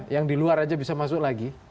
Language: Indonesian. yang di luar aja bisa masuk lagi